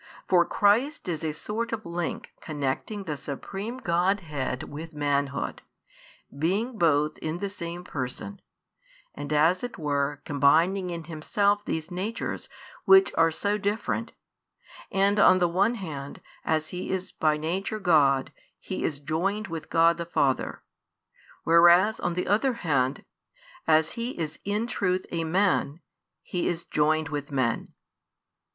For Christ is a sort of link connecting the Supreme Godhead with manhood, being both in the same Person, and as it were combining in Himself these natures which are so different: and on the one hand, as He is by Nature God, He is joined with God the Father; whereas on the other hand, as He is in truth a Man, He is joined with men.